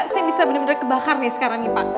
saya bisa bener bener kebakar nih sekarang nih pak